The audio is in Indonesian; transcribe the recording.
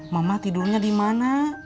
mama tidurnya dimana